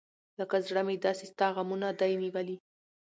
لکه زړه مې داسې ستا غمونه دى نیولي .